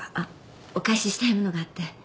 お返ししたいものがあって。